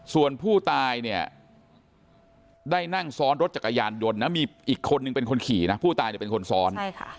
ส่วนผู้ตายได้นั่งซ้อนรถจักรยานยนต์มีอีกคนนึงเป็นคนขี่ผู้ตายเป็นคนซ้อน